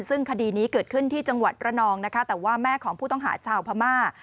ซึ่งคดีนี้เกิดขึ้นที่จังหวัดระนองนะคะแต่ว่าแม่ของผู้ต้องหาชาวพม่า